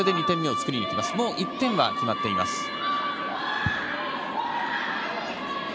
１点目は決まっています。